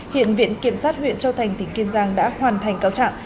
hiện viện kiểm sát huyện châu thành tỉnh kiên giang đã hoàn thành cao trạng